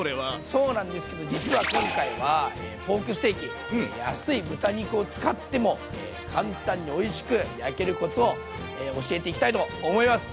そうなんですけど実は今回はポークステーキ安い豚肉を使っても簡単においしく焼けるコツを教えていきたいと思います。